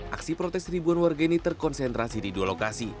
aksi protes ribuan warga ini terkonsentrasi di dua lokasi